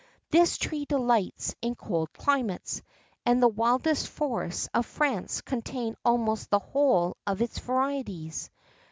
This tree delights in cold climates; and the wildest forests of France contain almost the whole of its varieties.